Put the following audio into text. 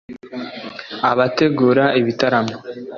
abategura ibitaramo